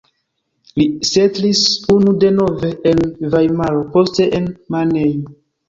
Li setlis unu denove en Vajmaro, poste en Mannheim.